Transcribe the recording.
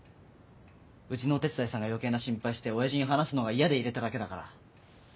うちのお手伝いさんが余計な心配して親父に話すのが嫌で入れただけだから。